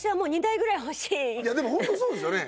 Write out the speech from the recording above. いやでもホントそうですよね。